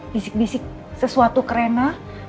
bisik bisik sesuatu kerenah